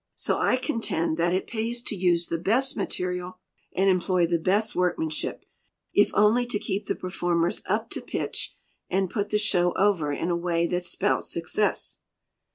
So I contend that it pays to use the best material and employ the best workmanship, if only to keep the performers up to pitch and put the show over in a way that spells success.